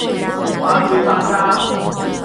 罷黜百家